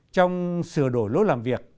trong sửa đổi lối làm việc